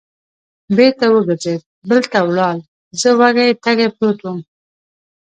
بېرته و ګرځېد، پل ته ولاړ، زه وږی تږی پروت ووم.